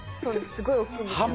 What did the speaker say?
すごい大きいんですよ